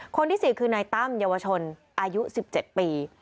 คนที่สี่คือนายตั้มเยาวชนอายุสิบเจ็ดปี